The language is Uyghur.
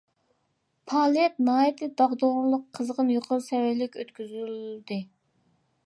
پائالىيەت ناھايىتى داغدۇغىلىق، قىزغىن، يۇقىرى سەۋىيەلىك ئۆتكۈزۈلدى.